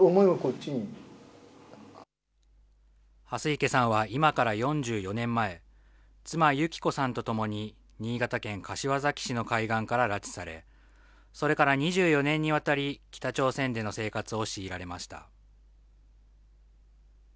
蓮池さんは今から４４年前、妻、祐木子さんと共に新潟県柏崎市の海岸から拉致され、それから２４年にわたり、北朝鮮での生活を強いられました。